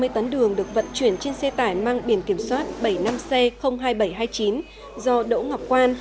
ba mươi tấn đường được vận chuyển trên xe tải mang biển kiểm soát bảy mươi năm c hai nghìn bảy trăm hai mươi chín do đỗ ngọc quan